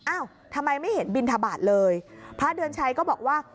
อ้าวทำไมไม่เห็นบินทบาทเลยพระเดือนชัยก็บอกว่า